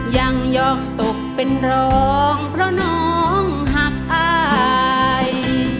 ยังยอมตกเป็นรองเพราะน้องหักอาย